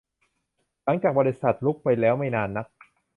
หลังจากบริษัทลุกไปแล้วไม่นานนัก